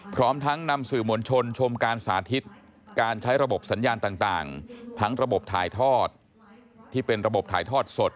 พร้อมทั้งนำสื่อมวลชนชมการสาธิตการใช้ระบบสัญญาณต่างทั้งระบบถ่ายทอดที่เป็นระบบถ่ายทอดสด